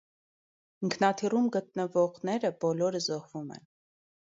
Ինքնաթիռում գտնվողները բոլոր զոհվում են։